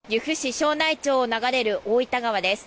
庄内町を流れる大分川です。